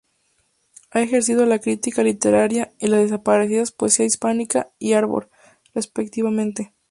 Ha ejercido la crítica literaria en las desaparecidas "Poesía Hispánica" y "Arbor" respectivamente.